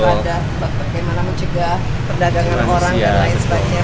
ada bagaimana mencegah perdagangan orang dan lain sebagainya